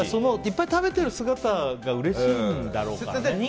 いっぱい食べている姿がうれしいんだろうからね。